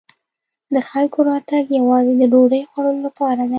د خلکو راتګ یوازې د ډوډۍ خوړلو لپاره دی.